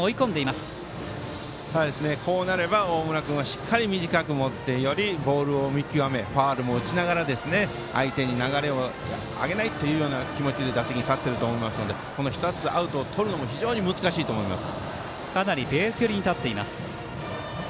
こうなれば大村君は短く持ってよりボールを見極めファウルも打ちながら相手に流れをあげないという気持ちで打席に立ってると思いますのでこの１つアウトをとるのも非常に難しいと思います。